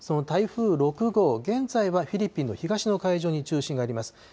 その台風６号、現在はフィリピンの東の海上に中心があります。